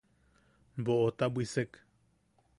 Boʼota bwisek.